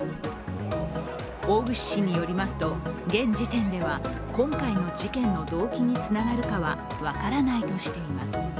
大串氏によりますと現時点では今回の事件の動機につながるかは分からないとしています。